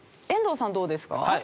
遠藤さんどうですか？